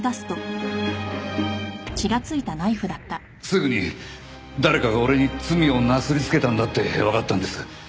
すぐに誰かが俺に罪をなすりつけたんだってわかったんです。